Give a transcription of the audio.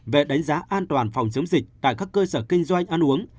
về đánh giá an toàn phòng chống dịch tại các cơ sở kinh doanh ăn uống